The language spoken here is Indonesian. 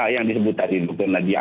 yang disebut tadi karena dia